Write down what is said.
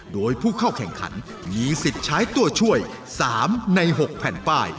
โดยผู้เข้าแข่งขันมีสิทธิ์ใช้ตัวช่วย๓ใน๖แผ่นป้าย